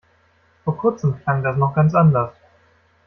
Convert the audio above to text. Vor kurzem klang das noch ganz anders.